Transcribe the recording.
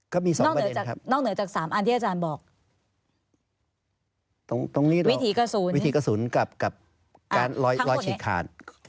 ก็มีสองประเด็นครับตรงนี้วิถีกระสูญกับการร้อยชิดขาดนอกเหนือจากสามอันที่อาจารย์บอก